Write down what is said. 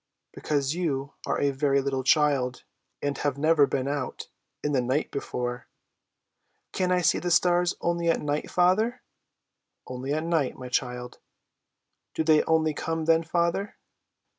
"Because you are a very little child, and have never been out in the night before." "Can I see the stars only at night, father?" "Only at night, my child!" "Do they only come then, father?"